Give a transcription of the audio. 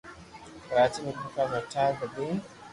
ڪراچي ۔ ميرپورخاص ۔ ٺھٺہ ۔ بدين